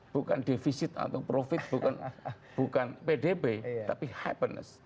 bukan defisit atau profit bukan pdb tapi happiness